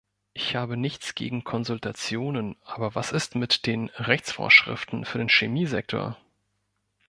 Ich habe nichts gegen Konsultationen, aber was ist mit den Rechtsvorschriften für den Chemiesektor?